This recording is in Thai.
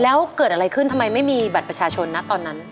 แล้วเกิดอะไรขึ้นทำไมไม่มีบัตรประชาชนนะตอนนั้น